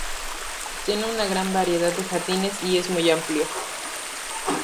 Tiene una gran variedad de jardines y es muy amplio.